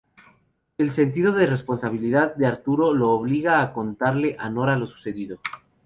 El sentido de responsabilidad de Arturo lo obliga a contarle a Nora lo sucedido.